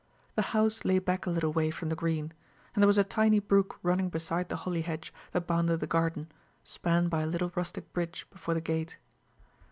The house lay back a little way from the green; and there was a tiny brook running beside the holly hedge that bounded the garden, spanned by a little rustic bridge before the gate.